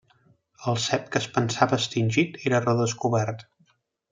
El cep que es pensava extingit era redescobert.